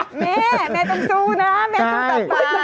แม่แม่ต้องสู้นะแม่ต้องตามไป